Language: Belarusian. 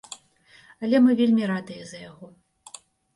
Але мы вельмі радыя за яго.